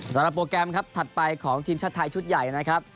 โปรแกรมครับถัดไปของทีมชาติไทยชุดใหญ่นะครับ